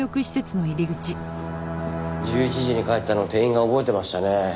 １１時に帰ったのを店員が覚えてましたね。